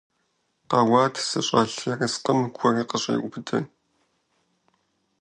Къэуат зыщӀэлъ ерыскъым гур къыщӀеубыдэ.